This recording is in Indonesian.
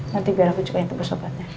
nanti biar aku juga yang tebus obatnya